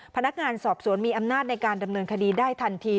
พนักงานสอบสวนมีอำนาจในการดำเนินคดีได้ทันที